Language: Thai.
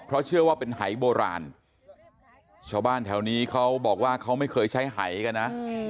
เพราะเชื่อว่าเป็นหายโบราณชาวบ้านแถวนี้เขาบอกว่าเขาไม่เคยใช้หายกันนะ